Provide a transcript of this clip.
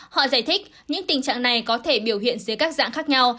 họ giải thích những tình trạng này có thể biểu hiện dưới các dạng khác nhau